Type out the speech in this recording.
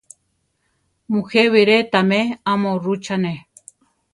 Mujé biré tamé amo rutzane.